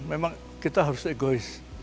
memang kita harus egois